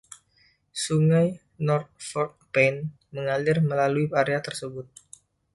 Sungai North Fork Paint mengalir melalui area tersebut.